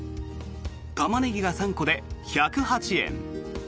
タマネギが３個で１０８円。